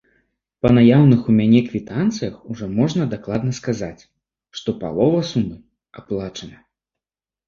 Па наяўных у мяне квітанцыях ужо можна дакладна сказаць, што палова сумы аплачана.